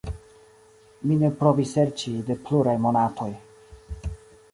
Mi ne provi serĉi de pluraj monatoj.